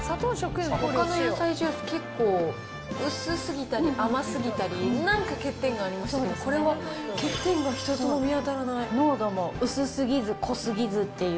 ほかの野菜ジュース、結構薄すぎたり、甘すぎたり、なんか欠点がありましたけど、これは欠点が一つも見当たらない。